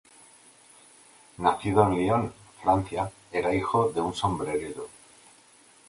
Nacido en Lyon, Francia, era hijo de un sombrerero.